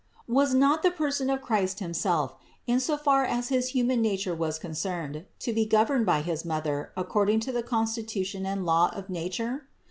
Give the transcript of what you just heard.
Was not the person of Christ himself, in so far as his human nature was con cerned, to be governed by his Mother according to the 36 CITY OF GOD constitution and law of nature?